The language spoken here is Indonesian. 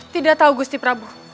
tidak tahu gusti prabu